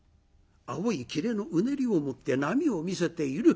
青いきれのうねりを持って波を見せている。